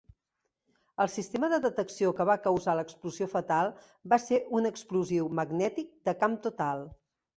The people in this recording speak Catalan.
El sistema de detecció que va causar l'explosió fatal va ser un explosiu magnètic de camp total.